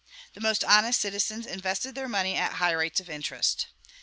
The most honest citizens invested their money at high rates of interest.